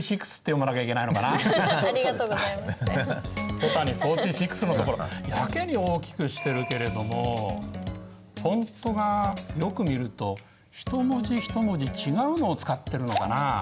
「戸谷４６」のところやけに大きくしてるけれどもフォントがよく見ると一文字一文字違うのを使ってるのかな？